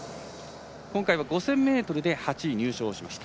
今回は５０００ｍで８位、入賞しました。